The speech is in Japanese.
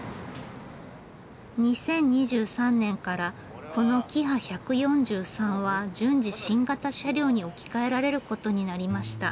２０２３年からこのキハ１４３は順次新型車両に置き換えられることになりました。